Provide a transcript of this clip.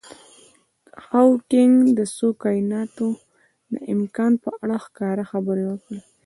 هاوکېنګ د څو کایناتونو د امکان په اړه ښکاره خبرې وکړي.